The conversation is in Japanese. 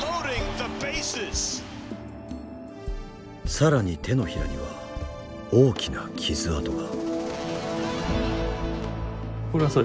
更に手のひらには大きな傷痕が。